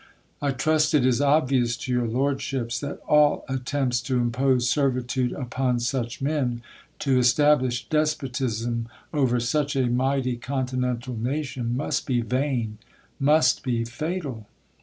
I trust it is obvious to your lordships, that all attempts to impose servitude upon such men, to establish despotism over such a mighty continental na tion, must be vain, must be fatal.